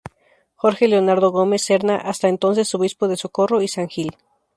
Jorge Leonardo Gómez Serna hasta entonces obispo de Socorro y San Gil.